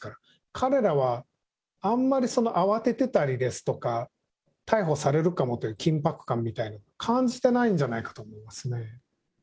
彼らはあんまり慌ててたりですとか、逮捕されるかもという緊迫感みたいなの、感じてないんじゃないかと思いますね。